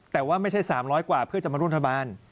แต่ว่าไม่ใช่๓๐๐กว่าเพื่อจะมาร่วมรัฐบาล